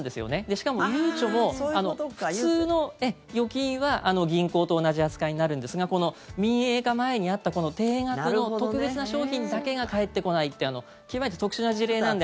しかも、ゆうちょも普通の預金は銀行と同じ扱いになるんですがこの民営化前にあった定額の、特別な商品だけが返ってこないって極めて特殊な事例なんで。